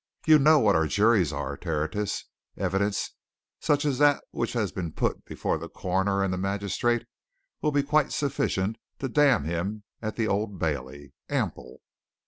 You know what our juries are, Tertius evidence such as that which has been put before the coroner and the magistrate will be quite sufficient to damn him at the Old Bailey. Ample!"